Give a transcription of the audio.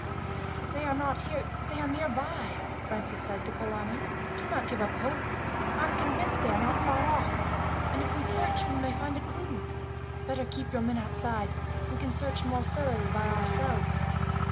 "If they are not here, they are near by," Francis said to Polani. "Do not give up hope. I am convinced they are not far off; and if we search we may find a clue. Better keep your men outside. We can search more thoroughly by ourselves."